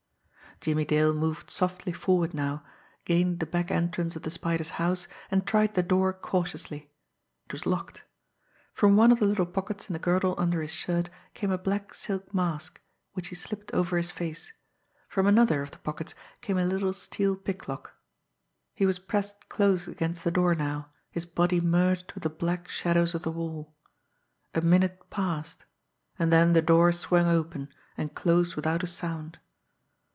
Jimmie Dale moved softly forward now, gained the back entrance of the Spider's house, and tried the door cautiously. It was locked. From one of the little pockets in the girdle under his shirt came a black silk mask, which he slipped over his face; from another of the pockets came a little steel picklock. He was pressed close against the door now, his body merged with the black shadows of the wall. A minute passed and then the door swung open, and closed without a sound.